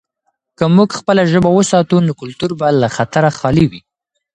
که موږ خپله ژبه وساتو، نو کلتور به له خطره خالي وي.